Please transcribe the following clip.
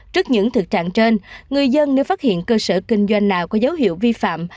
trước những thực trạng trên người dân nếu phát hiện cơ sở kinh doanh nào có dấu hiệu vi phạm